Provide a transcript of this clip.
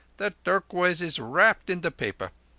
The turquoise is wrapped in the paper